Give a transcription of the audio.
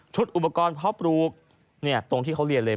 อุปกรณ์เพาะปลูกตรงที่เขาเรียนเลย